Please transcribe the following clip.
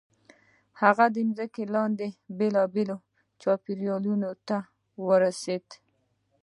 هغه د ځمکې بېلابېلو چاپېریالونو ته ورسېد.